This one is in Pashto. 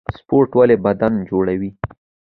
سپورټ ولې بدن جوړوي؟